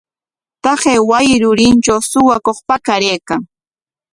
Taqay wasi rurintrawmi suwakuq pakaraykan.